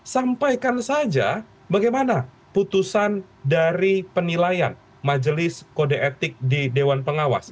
sampaikan saja bagaimana putusan dari penilaian majelis kode etik di dewan pengawas